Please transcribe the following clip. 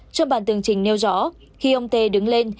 trong bản tương trình nêu rõ khi ông t đứng lên